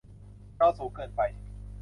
จอสูงเกินไป